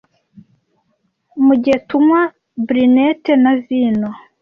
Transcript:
mugihe tunywa brunette na vino